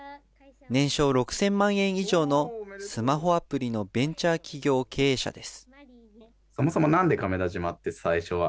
年商６０００万円以上のスマホアプリのベンチャー企業経営者です。